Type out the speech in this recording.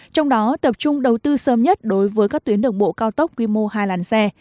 trong đó tập trung đầu tư sớm nhất đối với các tuyến đường bộ cao tốc quy mô hai làn xe